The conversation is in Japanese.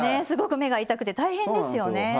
すごく目が痛くて大変ですよね。